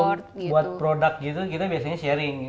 tapi sebelum buat produk gitu kita biasanya sharing